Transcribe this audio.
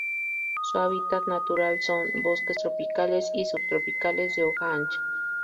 Su hábitat natural son: bosques tropicales y subtropicales de hoja ancha.